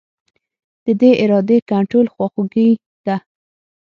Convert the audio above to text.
د دې ارادې کنټرول خواخوږي ده.